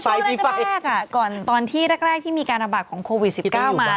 แรกอ่ะก่อนตอนที่แรกที่มีการระบาดของโควิด๑๙มา